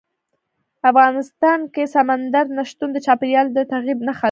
افغانستان کې سمندر نه شتون د چاپېریال د تغیر نښه ده.